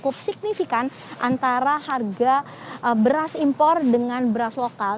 dan cukup signifikan antara harga beras impor dengan beras lokal